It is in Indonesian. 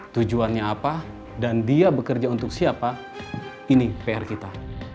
tujuannya apa dan dia bekerja untuk siapa ini pr kita